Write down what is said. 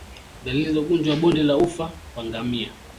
Dalili za ugonjwa wa bonde la ufa kwa ngamia